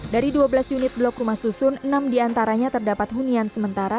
dari dua belas unit blok rumah susun enam diantaranya terdapat hunian sementara